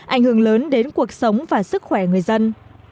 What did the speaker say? ảnh hưởng lớn đến cuộc sống và sức khỏe người dân